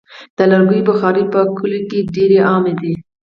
د لرګیو بخاري په کلیو کې ډېره عامه ده.